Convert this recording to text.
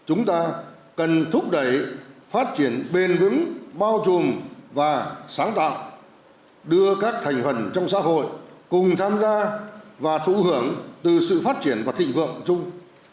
chúng ta cần thúc đẩy phát triển bền vững bao trùm và sáng tạo đưa các thành phần trong xã hội cùng tham gia và thụ hưởng từ sự phát triển và thịnh vượng chung